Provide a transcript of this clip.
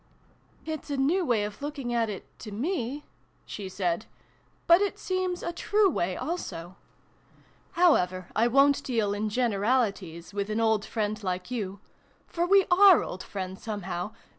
" It's a new way of looking at it to me," she said ; "but it seems a true way, also. 28 SYLVIE AND BRUNO CONCLUDED. However, I won't deal in generalities, with an old friend like you ! For we are old friends, somehow.